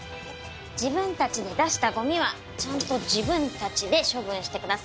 自分たちで出したゴミはちゃんと自分たちで処分してください。